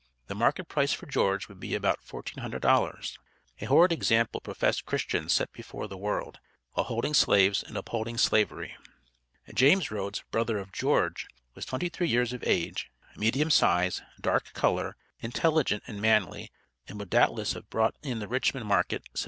The market price for George would be about $1400. A horrid example professed Christians set before the world, while holding slaves and upholding Slavery. James Rhoads, brother of George, was twenty three years of age, medium size, dark color, intelligent and manly, and would doubtless have brought, in the Richmond market, $1700.